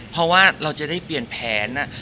เพราะว่าเราจะได้เปลี่ยนแผน